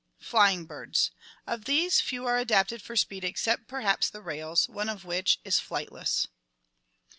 Flying birds. Of these few are adapted for speed except perhaps the rails, one of which (Aptornis) is flightless.